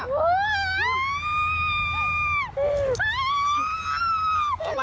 พี่เอ็มเอ็ม